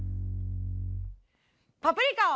パプリカを。